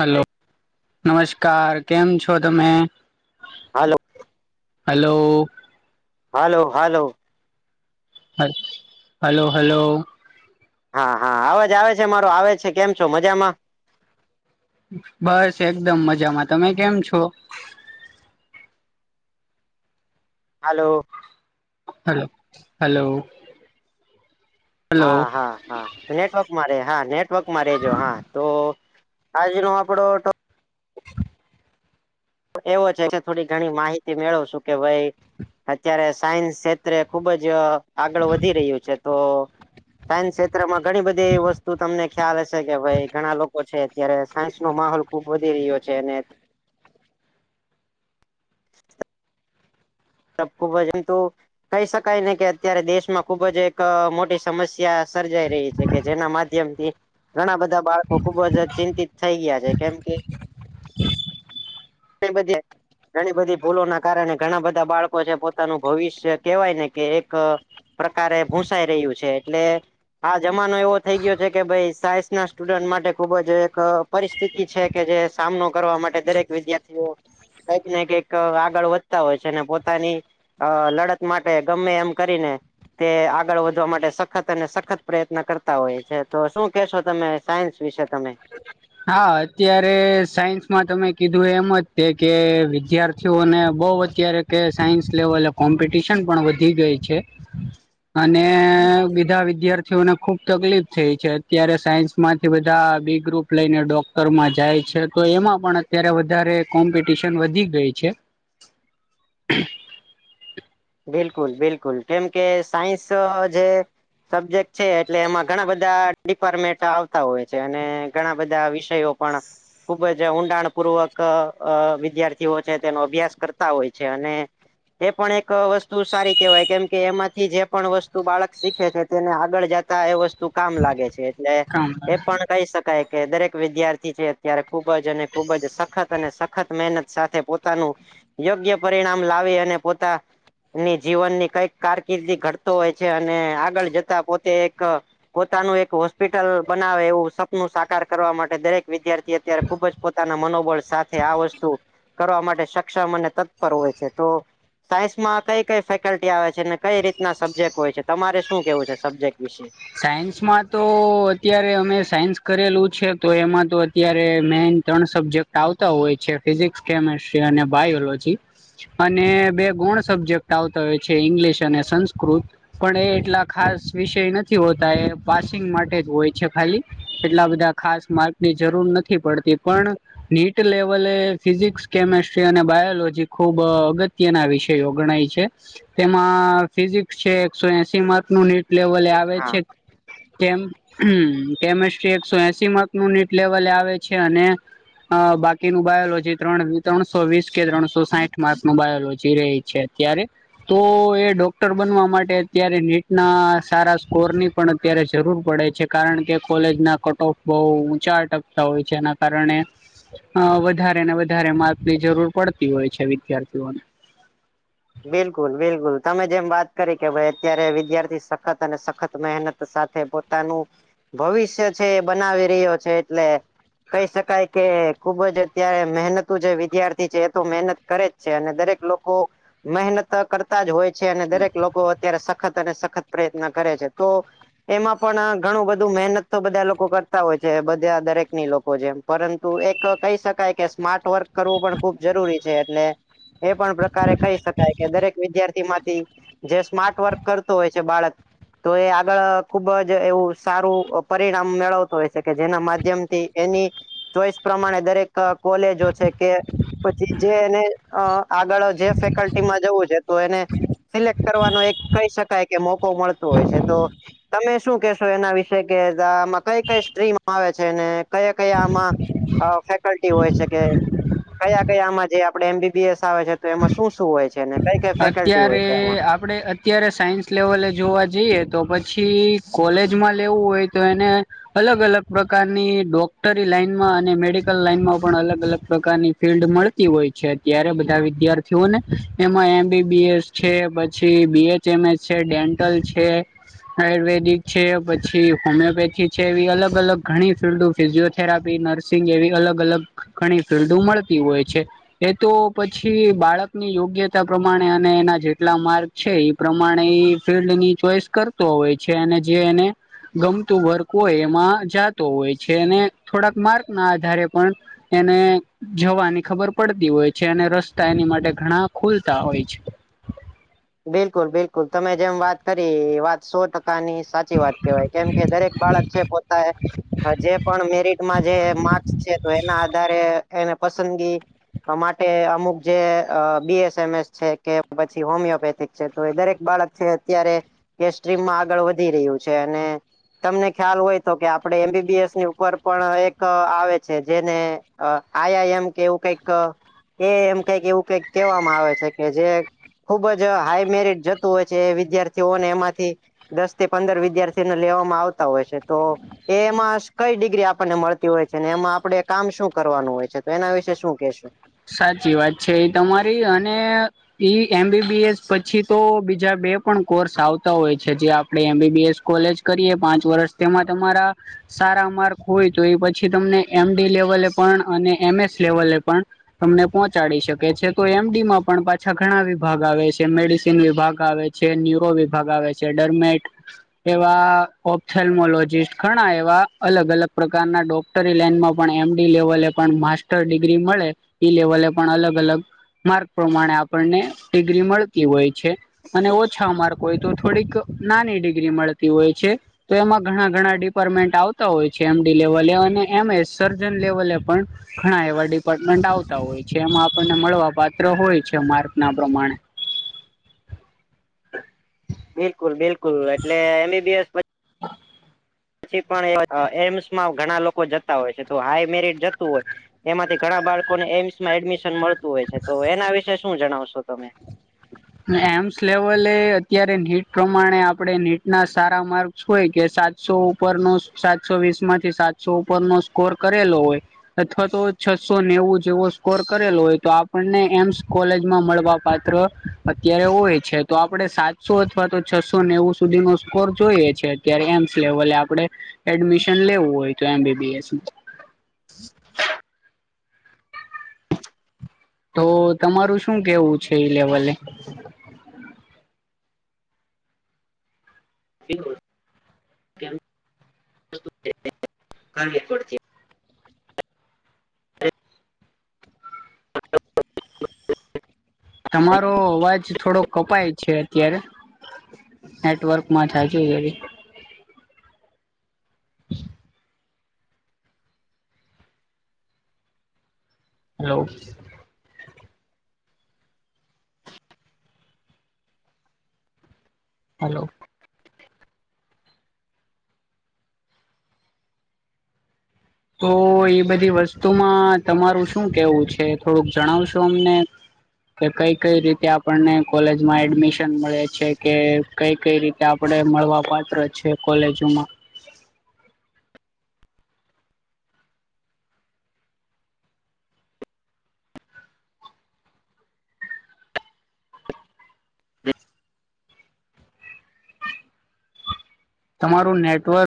Hello નમસ્કાર કેમ છો તમે. હાલો. હલો. Hello hello. હ હલો હલો હા હા અવાજ આવે છે મારો આવે છે કેમ છો મજામાં બસ એકદમ મજામાં તમે કેમ છો હલો હલો હલો હા હલો હા હા નેટવર્કમાં ર હા નેટવર્કમાં રેજો હા તો આજ ન આપડો એવો છે કે થોડી ઘણી માહિતી મેળવ છું કે ભાઈ અત્યારે સાયન્સ ક્ષેત્રે ખુબ જ આગળ વધી રહ્યું છે તો સાયન્સ ક્ષેત્રમાં ઘણી બધી એ વસ્તુ તમને ખ્યાલ હશે કે ભાઈ ઘણા લોકો છે અત્યારે સાયન્સ નો માહોલ ખુબ વધી રહ્યો છે અને તબકો વજન તો કહી શકાય નને કે અત્યારે દેશમાં ખુબ જ એક મોટી સમસ્યા સર્જાઈ રહી છે કે જેના માધ્યમથી ઘણા બધા બાળકો ખુબ જ ચિંતિત થઈ ગયા છે કેમ કે હ ધ ઘણી બધી ભૂલો ના કારણે ઘણા બધા બાળકો પોતાનું ભવિષ્ય કેવાય ને કે એક પ્રકારે ભૂસાઈ રહ્યું છે એટલે હા જમાનો એવો થઈ ગયો છે કે ભાઈ સાયન્સ ના સ્ટુડન્ટ માટે ખુબ જ એક પરિસ્થિતિ છે કે જે સામનો કરવા માટે દરેક વિદ્યાર્થીઓ કઈક ને કંઈક આગળ વધતા હોય છે ને પો પોતાની અ લડત માટે ગમે એમ કરીને તે આગળ વધવા માટે સખત અને સખત પ્રયત્ન કરતા હોય છે તો શું કેશો તમે સાયન્સ વિશે તમે હા અત્યારે સાયન્સમાં તમે કીધું એમ જ તે કે વિદ્યાર થયું અને બહુ અત્યારે કે સાયન્સ લેવલે કોમ્પિટિશન પણ વધી ગઈ છે [inaudible] અને બીધા વિદ્યાર્થીઓને ખુબ તકલીફ થઈ છે અત્યારે સાયન્સ માંથી બધા બે ગ્રુપ લઈને ડોક્ટર માં જાય છે તો એમાં પણ અત્યારે વધારે કોમ્પિટિશન વધી ગઈ છે [inaudible] [unintelligible] બિલકુલ બિલકુલ કેમ કે સાયન્સ જે સબ્જેક્ટ છે એટલે એમાં ઘણા બધા ડિપાર્ટમેન્ટ આવતા હોય છે અને ઘણા બધા વિષયો પણ ખુબ જ ઊંડાણ પૂર્વક વિદ્યાર્થીઓ છે તેનો અભ્યાસ કરતા હોય છે અને એ પણ એક વસ્તુ સારી કેહેવાય કેમ કે એમાંથી જે પણ વસ્તુ બાળક શીખે છે તેને આગળ જતા એ વસ્તુ તું કામ લાગે છે એટલે કામ એ પણ કહી શકાય કે દરેક વિદ્યાર્થી છે ત્યારે ખૂબ જ અને ખુબ જ સખત અને ખત મહેનત સાથે પોતાનું યોગ્ય પરિણામ લાવી અને પોતા ની જીવન ની કઈક કારકિર્દી ઘટતો હોય છે અને આગળ જતા પોતે એક પોતાનું એક હોસ્પિટલ બનાવે એવું સપનું સાકાર કરવા માટે દરેક વિદ્યાર્થી અત્યારે ખુબ જ પોતાના મનોબળ સાથે આ વસ્તુ કરવા માટે સક્ષમ અને તત્પર હોય છે તો સાયસ માં કઈ કઈ ફેકલ્ટી આવે છે ને કઈ રીતના સબ્જેક્ટ હોય છે તમારે શું કેવું છે સબ્જેક્ટ વિશે સાયન્સમાં તો અત્યારે અમે સાયન્સ કરેલું છે તો એમાં તો અત્યારે મેન ત્રણ સબ્જેક્ટ આવતા હોય છે ફિઝિક્સ કેમેસ્ટ્રી અને બાયોલોજી અને બે ગોણ સબ્જેક્ટ આવતા હોય છે ઇંગ્લિશ અને સંસ્કૃત પણ એ એટલા ખાસ વિષય નથી હોતા એ પાસિંગ માટે જ હોય છે ખાલી એટલા બધા ખાસ માર્કની જરૂર નથી પડતી પણ નીટ લેવલે ફિઝિક્સ કેમેસ્ટ્રી અને બાયોલોજી ખૂબ અગત્ય ના વિષ ગણાય છે તેમાં ફિઝિક્સ છે એકસો એસીર્ક લેવલે આવે હા છે તેમ હ કેમિસ્ટ્રી એકસો એસી નનટ લેવલે આવે છે અને અ બાકીનું બાયોલોજી ત્રણ ત્રણસો વીસ કે ત્રણસો સાઠ માર્સ નું બાયોલોજી રહી છે ત્યારે તો એ ડોક્ટર બનવા માટે અત્યારે નીટના સારા કોર ની પણ અત્યારે જરૂર પડે છે કારણ કે કોલેજ ના કટ ઓફ બહુ ઊંચા અટકતા હોય છે અને કારણે વધારે ને વધારે માર્કની જરૂર પડતી હોય છે વિદ્યાર્થીઓને બિલકુલ બિલકુલ તમે જેમ વાત કરી કે ભાઈ અત્યારે વિદ્યાર્થી સખત અને સખત મહેનત સાથે પોતાનું ભવિષ્ય છે એ બનાવી રહ્યો છે એટલે કહી શકાય કે ખુબ જ અત્યારે મહેનતું જે વિદ્યાર્થી છે એ તો મહેનત કરે જ છે અને દરેક લોકો મહેનત કરતા જ હોય છે અને દરેક લોકો અત્યારે સખત અને સખત પ્રયત્ન કરે છે તો એમાં પણ ઘણું બધું મહેનત તો બધા લોકો કરતા હોય છે બધા દરેક ની લોકો જેમ પરંતુ એક કહી શકાય કે સ્માર્ટ વર્ક કરવું પણ ખુબ જરૂરી છે એટલે એ પણ પ્રકારે કહી શકાય કે દરેક વિદ્યાર્થી માંથી જે સ્માર્ટ વર્ક કરતું હોય છે બાળક તો એ આગળ ખુબ જ એવું સારું પરિણામ મેળવતું હોય છે કે જેના માધ્યમથી એની ચોઈસ પ્રમાણે દરેક કોલેજો છે કે પછી જે એને આગળ જે ફેકલ્ટી માં જવું છે તો એને સિલેક્ટ કરવાનો એક કહી શકાય કે મોકો મળત હોય છે તો તમે શું કેશો એના વિશે કે આમાં કઈ કઈ સ્ટ્રીમ આવે છે ને કયા કયા આમાં ફેકલ્ટી હોય છે કે કયા કયા આમાં જે આપડે એમબીબીએસ આવે છે તો એમાં શું શું હોય છે કઈ કઈ ફેકલ્ટી અત્યારે હોય છે એમાં આપણે અત્યારે સાયન્સ લેવલે જોવા જઈએ તો પછી કોલેજમાં લેવું હોય તો એને અલગ અલગ પ્રકારની ડોક્ટરી લાઈનમાં અને મેડિકલ લાઈન માં પણ અલગ અલગ પ્રકારની ફિલ્ડ મળે હોય છે અત્યારે બધા વિદ્યાર્થીઓને એમાં એમ બીબીસ છે પછી બી એચ એમ એસ છે ડેન્ટલ છે. આયુર્વેદિક છે પછી હોમિયોપેથી છે એવી અલગ અલગ ઘણી ફિલ્ડ ફિઝિયોથેરાપી નર્સિંગ એવી અલગ અલગ ઘણી ફિલ્ડો મળતી હોય છે એ તો પછી બાળકની યોગ્યતા પ્રમાણે અને એના જેટલા માર્ક છે એ પ્રમાણે એ ફિલ્ડની ચોઈસ કર હોય છે અને જે એને ગમતું વર્ક હોય એમાં જતો હોય છે અને થોડાક માર્ક ના આધારે પણ એને જવાની ખબર પડતી હોય છે અને રસ્તા એની માટે ઘણા ખુલ તા હોય બિલકુલ બિલકુલ તમે જેમ વાત કરી વાત સો ટકા ની સાચી વાત કહેવાય કેમ કે દરેક બાળક છે પોતા હ જે પણ મેરિટમાં જે માર્કસ છે તો એના આધારે એને પસંદગી માટે અમુક જે બી એસ એમ એસ છે કે પછી હોમિયોપે છે તો એ દરેક બાળક છે અત્યારે કે સ્રીમમાં આગળ વધી રહ્યું છે અને તમને ખ્યાલ હોય તો કે આપડે એમબીબીએસની ઉપર પણ એક આવે છે જેને અ આયા એમ કેવું કઈક એ એમ કઈક એવું કઈક કહેવામાં આવે છે કે જે ખુબ જ હાઈ મેરિટ જતું હોય છે વિદ્યાર્થીઓને એમાંથી દસ થી પંદર વિદ્યાર્થીને લેવામાં આવતા હોય છે તો એ એમાં કઈ ડિગ્રી આપણને મળતી હોય છે ને એમાં આપડે કામ શું કરવાનું હોય છે તો એના વિશે શું કેશું સાચી વાત છે એ તમારી અને ઈ એમબીબીએસ પછી તો બીજા બે પણ કોર્સ આવતા હોય છે જે આપડે એમબીબીએસ કોલેજ કરીએ પાંચ વર્ષ તેમાં તમારા સારા માર્ક હોય તો એ પછી તમને એમડી લેવલે પણ અને એમએસ લેવલે પણ તમને પહોંચાડી શકે છે તો એમડી માં પણ પાછા ઘણા વિભાગ આવે છે મેડિસિન વિભાગ આવે છે. છે ન્યુરો વિભાગ આવે છે ડર્મેટ એવા ઓપથેમોલોજીિસ્ટ ઘણા એવા અલગ અલગ પ્રકારના ડોક કરી લનમાં પણ એમડી લેવલે પણ માસ્ટર ડિગ્રી મળે ઈ લેવલે પણ અલગ અલગ માર્ક પ્રમાણે આપણને ડિગ્રી મળતી હોય છે. અને ઓછા માર્ક હોય તો થોડીક નાની ડિગ્રી મળતી હોય છે. તો એમાં ઘણા ઘણા ડિપાર્ટમેન્ટ આવતા હોય છે એમડી લેવલે અને એમ એ સર્જન લેવલે પણ ઘણા એવા ડિપાર્ટમેન્ટ આવતા હોય છે એમાં આપણને મળવા પાત્ર હોય છે માર્ક ના પ્રમાણે બિલકુલ બિલકુલ એટલે એમબીબીએસ પછી હ પછી પણ એમ્સમાં ઘણા લોકો જતા હોય છે તો હાઈ મેરિટ જતું હોય. એમાંથી ઘણા બાળકોને એઈમ્સમાં એડમિશન મળતું હોય છે તો એના વિશે શું જણાવશો તમે એમ્સ લેવલે અત્યારે નીટ પ્રમાણે આપણે નીટ ના સારા માર્ગ હોય કે સાતસો ઉપર નો સાતસો વીસ માંથી સાતસો ઉપર નો સ્કોર કરેલો હોય. અથવા તો છસો નેવું જેવો સ્કોર કરેલો હોય તો આપણને એમ્સ કોલેજમાં મળવા પાછ [unintelligible] અત્યારે હોય છે. તો આપડે સાતસો અથવા તો છસો નેવું સુધી નો સ્કોર જોઈએ છે. કેડયાન્સ લેવલે આપડે એડમિશન લેવું હોય તો. એમ. બી. બી. એસ. તો તમારું શું કેવું છે? એ લેવલે. [unintelligible] [unintelligible] તમારો અવાજ થોડો કપાય છે અત્યારે. નેટવર્કમાં થાય છે. એ રીત હલો! [inaudible] હેલો! તો ઈ બધી વસ્તુમાં તમારું શું કેવું છે? થોડુંક જણાવશો અમને! કે કઈ કઈ રીતે આપણને કોલેજમાં એડમિશન મળે છે. કે, કઈ કઈ રીતે આપડે મળવા પાત્ર છે કોલેજોમાં. તમારું નેટવર્ક